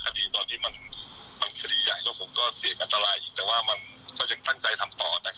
พี่พี่ผมขอโทษขอเป็นวันที่ห้าขอโทษครับพี่เพราะว่าวันวันวันที่หนึ่งเนี้ยยังไม่ได้เงินตังค์